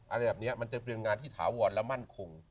อะไรแบบนี้มันจะเป็นงานที่ถาวรและมั่นคง